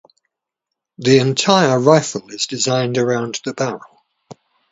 The entire rifle is designed around the barrel.